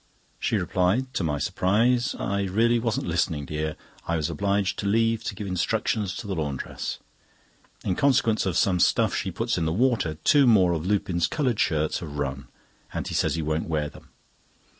She replied, to my surprise: "I really wasn't listening, dear. I was obliged to leave to give instructions to the laundress. In consequence of some stuff she puts in the water, two more of Lupin's coloured shirts have run and he says he won't wear them."